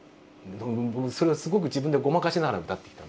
それをすごく自分でごまかしながら歌ってきたんですよ。